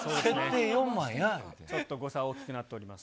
ちょっと誤差、大きくなっております。